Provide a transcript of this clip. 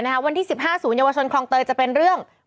เป็นการกระตุ้นการไหลเวียนของเลือด